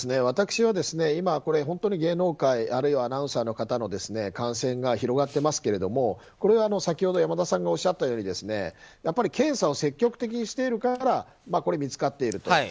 今、芸能界あるいはアナウンサーの方の感染が広がっていますけどもこれは先ほど山田さんがおっしゃったように検査を積極的にしているから見つかっていると。